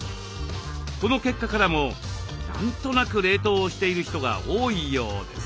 この結果からも何となく冷凍をしている人が多いようです。